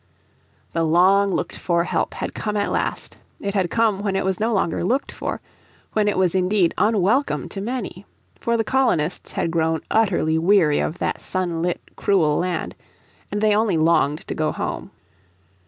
The long looked for help had come at last. It had come when it was no longer looked for, when it was indeed unwelcome to many. For the colonists had grown utterly weary of that sunlit cruel land, and they only longed to go home.